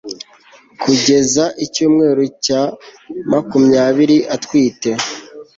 kugeza icyumweru cya makumyabiri atwite